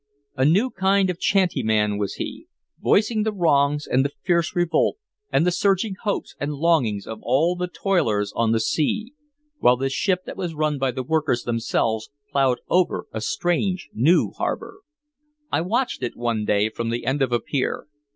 A new kind of a "chanty man" was he, voicing the wrongs and the fierce revolt and the surging hopes and longings of all the toilers on the sea while this ship that was run by the workers themselves plowed over a strange new harbor. I watched it one day from the end of a pier.